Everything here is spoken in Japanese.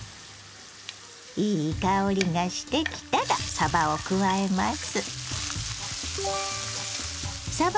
いい香りがしてきたらさばを加えます。